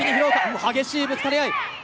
激しいぶつかり合い。